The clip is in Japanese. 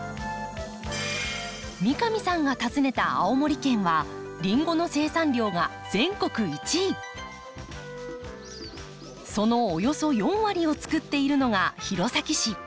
三上さんが訪ねた青森県はそのおよそ４割をつくっているのが弘前市。